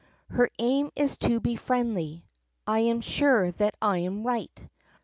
Her aim is to he friendly ; I Am sure that I am right.